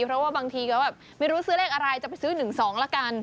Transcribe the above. เพราะว่าบางทีก็แบบไม่รู้ซื้อเลขอะไรจะไปซื้อ๑๒ละกัน